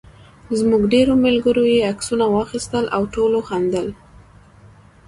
زموږ ډېرو ملګرو یې عکسونه واخیستل او ټولو خندل.